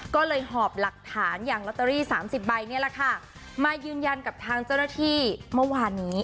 ก็เลยหอบหลักฐานอย่างลอตเตอรี่๓๐ใบนี่แหละค่ะมายืนยันกับทางเจ้าหน้าที่เมื่อวานนี้